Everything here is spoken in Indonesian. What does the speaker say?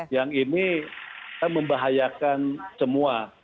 yang ini membahayakan semua